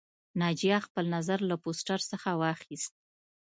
ناجیه خپل نظر له پوسټر څخه واخیست